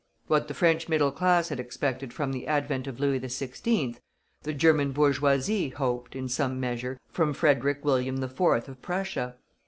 What the French middle class had expected from the advent of Louis XVI., the German bourgeoisie hoped, in some measure, from Frederick William IV. of Prussia.